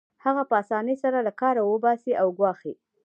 هغه په اسانۍ سره له کاره وباسي او ګواښي